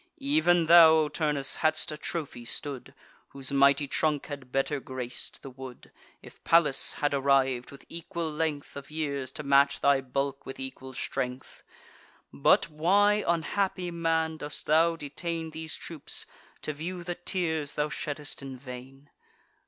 Even thou, O Turnus, hadst a trophy stood, Whose mighty trunk had better grac'd the wood, If Pallas had arriv'd, with equal length Of years, to match thy bulk with equal strength. But why, unhappy man, dost thou detain These troops, to view the tears thou shedd'st in vain?